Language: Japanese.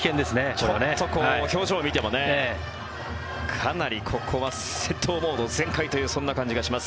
ちょっと表情を見てもかなり戦闘モード全開というそんな感じがします。